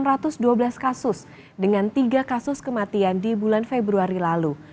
peningkatan jumlah penderita mencapai enam ratus dua belas kasus dengan tiga kasus kematian di bulan februari lalu